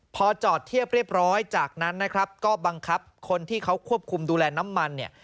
พอจอดเทียบเรียบร้อยจากนั้นนะครับก็บังคับคนที่เขาควบคุมดูแลน้ำมันเนี่ย